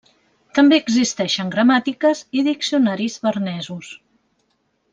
També existeixen gramàtiques i diccionaris bernesos.